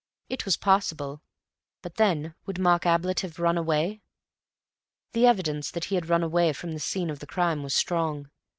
It was possible, but then would Mark Ablett have run away? The evidence that he had run away from the scene of the crime was strong.